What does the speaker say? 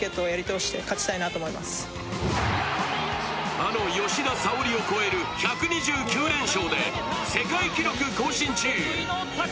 あの吉田沙保里を超える１２９連勝で世界記録更新中。